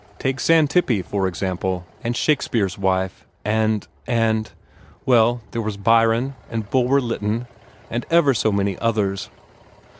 Take Xantippe, for example, and Shakespeare's wife, and and well, there was Byron, and Bulwer Lytton, and ever so many others.